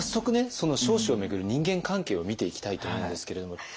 その彰子を巡る人間関係を見ていきたいと思うんですけれども。